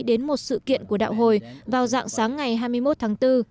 đến một sự kiện của đạo hồi vào dạng sáng ngày hai mươi một tháng bốn